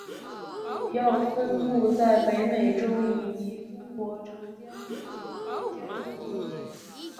主要分布在北美洲以及中国长江流域和江南地区。